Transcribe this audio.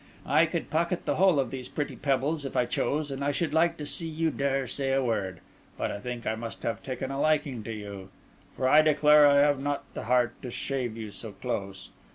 I could pocket the whole of these pretty pebbles, if I chose, and I should like to see you dare to say a word; but I think I must have taken a liking to you; for I declare I have not the heart to shave you so close.